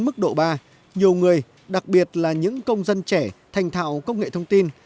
mức độ ba nhiều người đặc biệt là những công dân trẻ thành thạo công nghệ thông tin